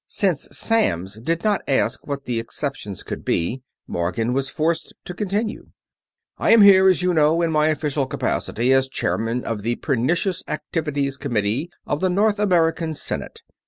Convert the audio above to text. Since Samms did not ask what the exceptions could be, Morgan was forced to continue. "I am here, as you know, in my official capacity as Chairman of the Pernicious Activities Committee of the North American Senate.